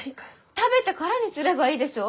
食べてからにすればいいでしょ？